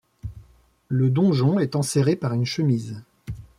Le donjon est enserré par une chemise.